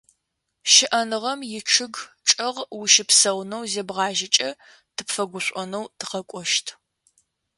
Щыӏэныгъэм ичъыг чӏэгъ ущыпсэунэу зебгъажьэкӏэ тыпфэгушӏонэу тыкъэкӏощт.